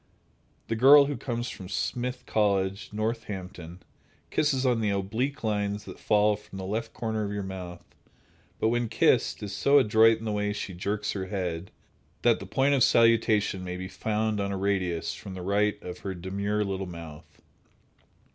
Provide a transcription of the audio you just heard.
The girl who comes from Smith College, Northampton, kisses on the oblique lines that fall from the left corner of your mouth, but when kissed, is so adroit in the way she jerks her head, that the point of salutation may be found on a radius from the right of her demure little mouth.